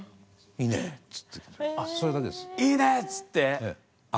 「いいね！」って言って。